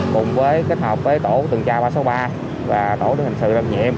cùng với kết hợp với tổ tuần tra ba trăm sáu mươi ba và tổ chức hành sự đảm nhiệm